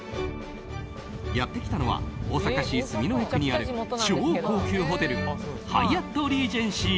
やってきたのは大阪市住之江区にある超高級ホテルハイアットリージェンシー